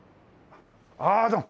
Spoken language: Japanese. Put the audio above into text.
ああどうも。